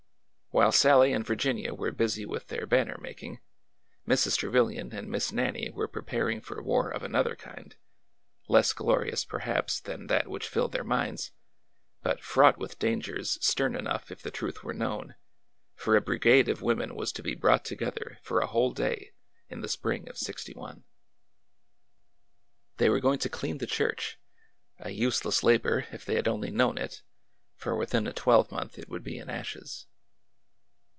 While Sallie and Virginia were busy with their banner making, Mrs. Trevilian and Miss Nannie were prepar ing for war of another kind, less glorious, perhaps, than that which filled their minds, but fraught with dangers stem enough if the truth were known, for a brigade of women was to be brought together for a whole day in the spring of '6i. A WORKING HIVE 175 They were going to clean the church, —a useless labor, if they had only known it, for within a twelvemonth it would be in ashes.